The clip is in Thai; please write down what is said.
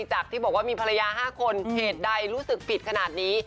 จากที่บอกว่ามีภรรยา๕คนเหตุใดรู้สึกผิดขนาดนี้